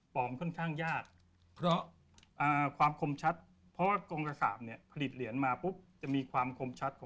ปลอมค่อนข้างยาก